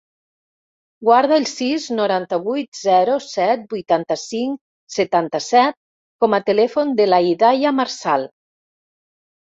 Guarda el sis, noranta-vuit, zero, set, vuitanta-cinc, setanta-set com a telèfon de la Hidaya Marsal.